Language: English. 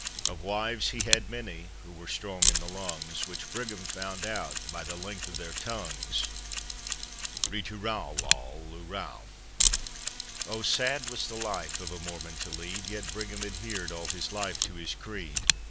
Of wives he had many who were strong in the lungs, Which Brigham found out by the length of their tongues. Ri tu ral, lol, lu ral. Oh, sad was the life of a Mormon to lead, Yet Brigham adhered all his life to his creed.